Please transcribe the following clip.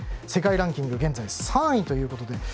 世界ランキング現在３位ということで。